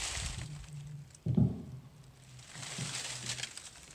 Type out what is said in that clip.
No obstante, con ellos no podrás ni chatear ni negociar.